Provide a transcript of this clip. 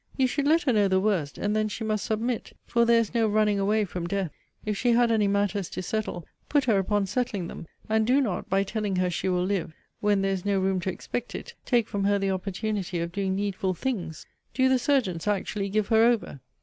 You should let her know the worst, and then she must submit; for there is no running away from death. If she had any matters to settle, put her upon settling them; and do not, by telling her she will live, when there is no room to expect it, take from her the opportunity of doing needful things. Do the surgeons actually give her over?